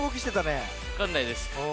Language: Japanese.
わかんないです。